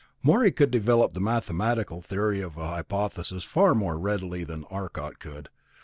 Morey could develop the mathematical theory of a hypothesis far more readily than Arcot could.